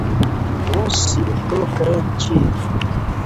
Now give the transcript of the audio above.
Mas é muito doce e crocante!